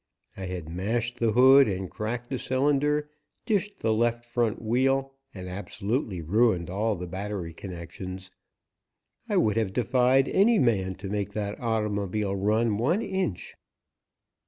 I had mashed the hood and cracked a cylinder, dished the left front wheel and absolutely ruined all the battery connections. I would have defied any man to make that automobile run one inch.